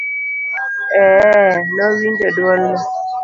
eeee, Nowinjo duol no.